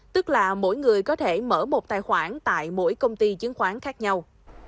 tức là mỗi người có thể mở một tài khoản tại mỗi công ty chứng khoán khác nhau